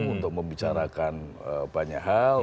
untuk membicarakan banyak hal